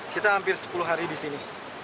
kita hampir sepuluh hari di sini